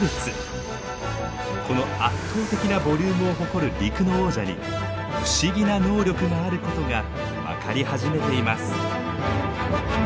この圧倒的なボリュームを誇る陸の王者に不思議な能力があることが分かり始めています。